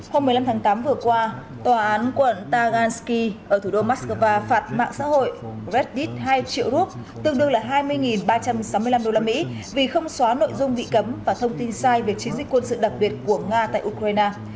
hôm một mươi năm tháng tám vừa qua tòa án quận tagansky ở thủ đô moscow phạt mạng xã hội reddit hai triệu rup tương đương là hai mươi ba trăm sáu mươi năm usd vì không xóa nội dung bị cấm và thông tin sai về chiến dịch quân sự đặc biệt của nga tại ukraine